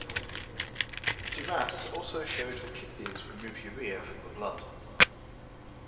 Dumas also showed that kidneys remove urea from the blood.